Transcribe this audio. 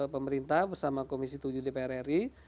pemerintah bersama komisi tujuh dpr ri